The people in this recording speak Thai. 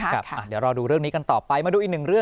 เดี๋ยวรอดูเรื่องนี้กันต่อไปมาดูอีกหนึ่งเรื่อง